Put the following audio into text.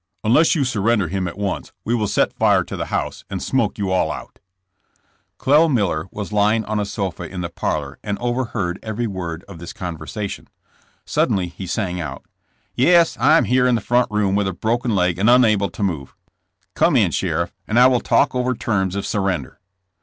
Unless you surrender him at once we will set fire to the house and smoke you all out." Clel. IMiller was lying on a sofa in the parlor and overheard every word of this conversation. Sud denly he sang out : *'Yes, I am here in the front room with a broken leg and unable to move. Come in sheriff, and I will talk over terms of surrender."